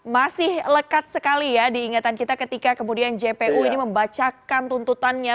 masih lekat sekali ya diingatan kita ketika kemudian jpu ini membacakan tuntutannya